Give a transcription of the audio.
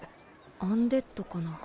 アンデッドかな